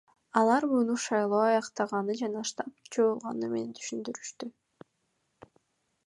Алар муну шайлоо аяктаганы жана штаб жоюлганы менен түшүндүрүштү.